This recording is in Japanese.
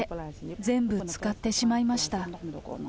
全部つかってしまいました。